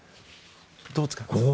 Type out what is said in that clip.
どう使う？